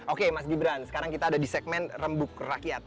oke mas gibran sekarang kita ada di segmen rembuk rakyat